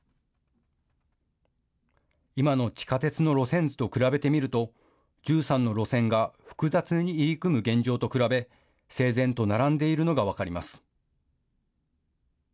今の地下鉄の路線図と比べてみると、１３の路線が複雑に入り組む現状に比べ、整然と並んでいるのが分かります。